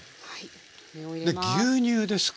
牛乳ですか？